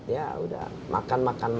ya sudah makan makan